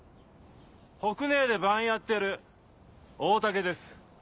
北根壊で番やってる大嶽です。